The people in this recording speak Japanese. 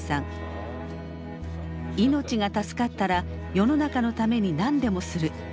「命が助かったら世の中のために何でもする」。